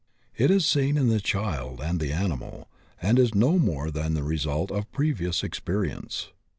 It is seen in the child and the animal, and is no more than the result of previous experience.